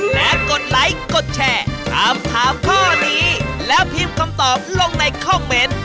และกดไลค์กดแชร์ถามถามข้อนี้แล้วพิมพ์คำตอบลงในคอมเมนต์